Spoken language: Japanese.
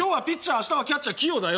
明日はキャッチャー器用だよ。